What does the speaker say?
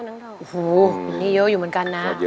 โอ้โหนี่เยอะอยู่เหมือนกันนะ